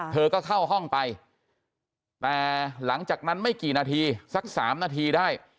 เธอก็เข้าห้องไปแต่หลังจากนั้นไม่กี่นาทีสัก๓นาทีได้